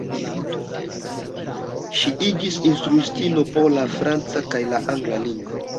Ŝi iĝis instruistino por la franca kaj la angla lingvoj.